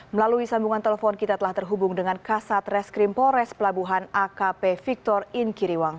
melalui sambungan telepon kita telah terhubung dengan kasat reskrim pores pelabuhan akp victor inkiriwang